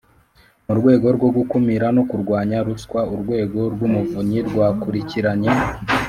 Mu rwego rwo gukumira no kurwanya ruswa urwego rw umuvunyi rwakurikiranye